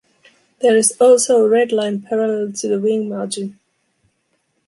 There is also a red line parallel to the wing margin.